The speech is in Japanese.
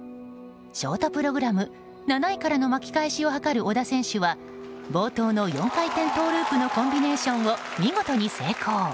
ショートプログラム７位からの巻き返しを図る織田選手は冒頭の４回転トウループのコンビネーションを見事に成功。